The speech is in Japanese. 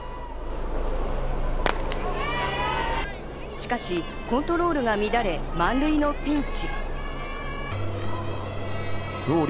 しかしコントロールが乱れ満塁のピンチ。